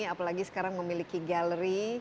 apalagi sekarang memiliki galeri